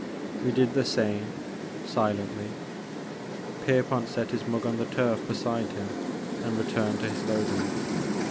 We did the same, silently. Pierpont set his mug on the turf beside him and returned to his loading.